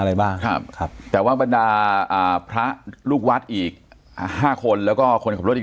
อะไรบ้างครับครับแต่ว่าบรรดาอ่าพระลูกวัดอีกห้าคนแล้วก็คนขับรถอีก